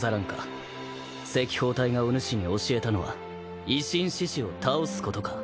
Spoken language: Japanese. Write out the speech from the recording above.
赤報隊がおぬしに教えたのは維新志士を倒すことか。